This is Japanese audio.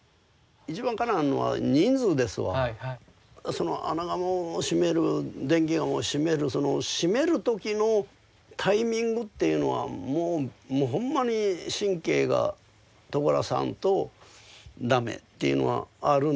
その穴窯を閉める電気窯を閉めるその閉める時のタイミングっていうのはもうもうほんまに神経がとがらさんと駄目っていうのはあるんです。